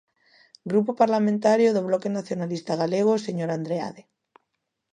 Grupo Parlamentario do Bloque Nacionalista Galego, señor Andreade.